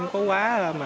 nó không có quá